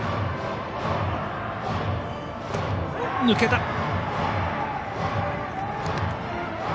抜けた。